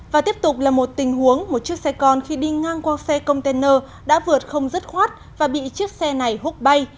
và tiếp tục là một tình huống một chiếc xe con khi đi ngang qua xe container đã vượt không dứt khoát và bị chiếc xe này hút bay